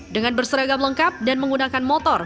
dengan berseragam lengkap dan menggunakan motor